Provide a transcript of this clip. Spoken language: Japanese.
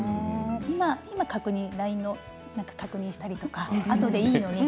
今、ＬＩＮＥを確認したりとかあとでいいのに。